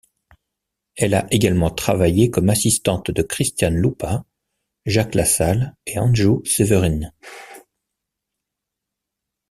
Elle a également travaillé comme assistante de Krystian Lupa, Jacques Lassalle et Andrzej Seweryn.